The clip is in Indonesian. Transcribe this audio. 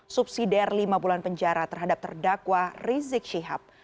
subsidiar lima bulan penjara terhadap terdakwa rizik syihab